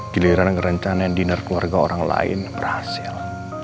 giliran merencana dinner keluarga orang lain berhasil